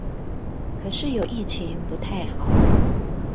可是有疫情不太好